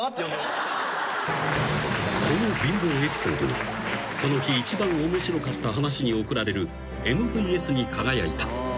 ［この貧乏エピソードがその日一番面白かった話に贈られるＭＶＳに輝いた］